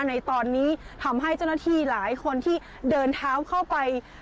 ในตอนนี้ทำให้เจ้าหน้าที่หลายคนที่เดินเท้าเข้าไป